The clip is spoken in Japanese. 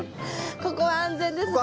ここは安全ですね。